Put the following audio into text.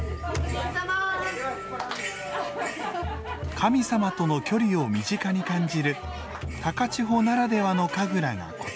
神様との距離を身近に感じる高千穂ならではの神楽がこちら。